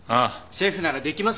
シェフならできますよ。